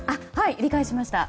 理解しました。